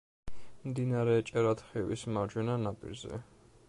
მდინარე ჭერათხევის მარჯვენა ნაპირზე.